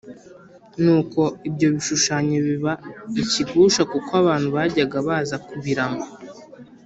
Nuko ibyo bishushanyo biba ikigusha kuko abantu bajyaga baza kubiramya